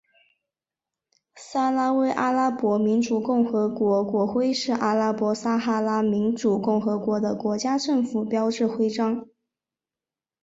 撒拉威阿拉伯民主共和国国徽是阿拉伯撒哈拉民主共和国的国家政府标志徽章。